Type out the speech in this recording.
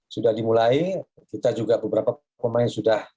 sudah dimulai kita juga beberapa pemain sudah